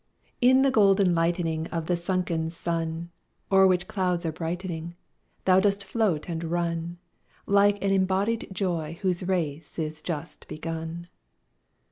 In the golden lightning of the sunken sun, O'er which clouds are bright'ning, Thou dost float and run, Like an unbodied joy whose race is just begun.